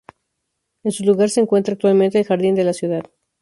En su lugar se encuentra actualmente el jardín de la ciudad.